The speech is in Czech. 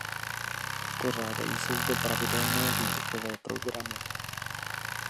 Pořádají se zde pravidelné výukové programy.